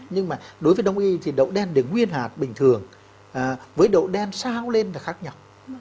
nhưng mà đối với đồng ý thì đậu đen để nguyên hạt bình thường với đậu đen sao lên là khác nhau